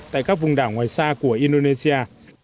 tại các vùng đảo ngoài xa của indonesia